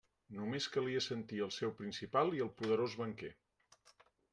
Només calia sentir el seu principal i el poderós banquer.